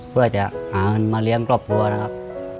เพื่อจะมาเลี้ยงครอบครัวนะครับ